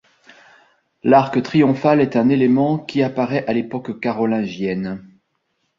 L'arc triomphal est un élément qui apparaît à l'époque carolingienne.